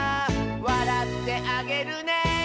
「わらってあげるね」